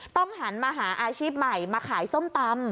หันมาหาอาชีพใหม่มาขายส้มตำ